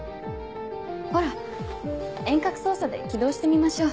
ほら遠隔操作で起動してみましょう。